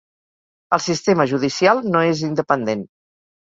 El sistema judicial no és independent